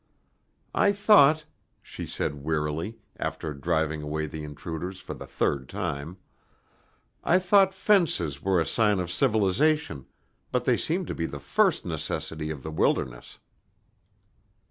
"I thought," she said wearily, after driving away the intruders for the third time, "I thought fences were a sign of civilization, but they seem to be the first necessity of the wilderness."